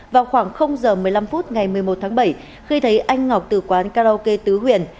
vào khoảng giờ một mươi năm phút ngày một mươi một tháng bảy khi thấy anh ngọc từ quán karaoke tứ huyền